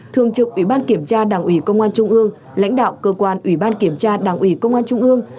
thường trực ủy ban kiểm tra đảng ủy công an trung ương lãnh đạo cơ quan ủy ban kiểm tra đảng ủy công an trung ương